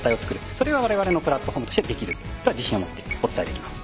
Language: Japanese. それは我々のプラットホームとしてできるとは自信を持ってお伝えできます。